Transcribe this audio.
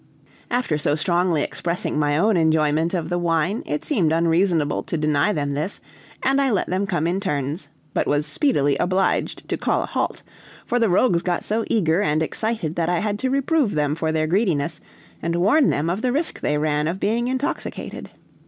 After so strongly expressing my own enjoyment of the wine, it seemed unreasonable to deny them this, and I let them come in turns, but was speedily obliged to call a halt; for the rogues got so eager and excited that I had to reprove them for their greediness, and warn them of the risk they ran of being intoxicated.